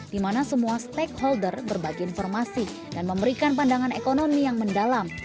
di mana semua stakeholder berbagi informasi dan memberikan pandangan ekonomi yang mendalam